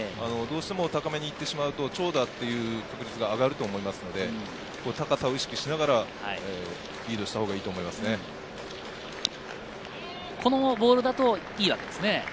高めにいってしまうと長打という確率が上がると思うので、高さを意識しながら、リードしたほうがこのボールだといいわけですね。